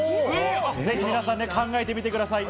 皆さん考えてみてください。